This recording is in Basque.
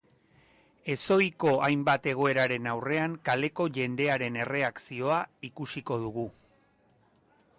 Ezohiko hainbat egoeraren aurrean kaleko jendearen erreakzioa ikusiko dugu.